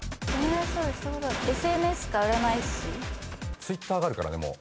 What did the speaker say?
Ｔｗｉｔｔｅｒがあるからね。